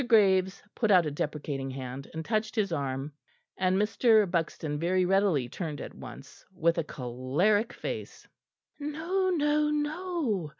Graves put out a deprecating hand and touched his arm; and Mr. Buxton very readily turned at once with a choleric face! "No, no, no!"